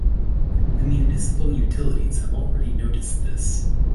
The municipal utilities have already noticed this.